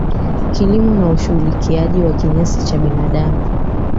kilimo na ushughulikiaji wa kinyesi cha binadamu